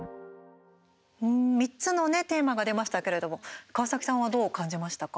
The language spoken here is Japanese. ３つのねテーマが出ましたけれども川崎さんは、どう感じましたか。